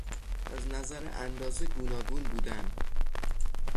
از نظر اندازه گوناگون بودن